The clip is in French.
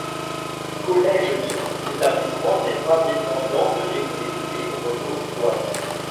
Collège libre, l’établissement n'est pas dépendant de l’Église libre vaudoise.